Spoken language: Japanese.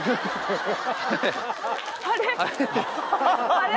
あれ？